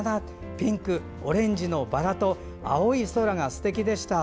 ピンク、オレンジのバラと青い空がすてきでした。